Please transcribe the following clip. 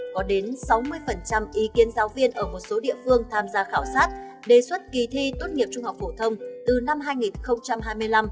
có đến sáu mươi ý kiến giáo viên ở một số địa phương tham gia khảo sát đề xuất kỳ thi tốt nghiệp trung học phổ thông từ năm hai nghìn hai mươi năm